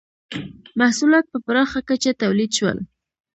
• محصولات په پراخه کچه تولید شول.